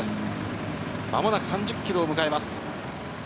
間もなく３０ｋｍを迎えます。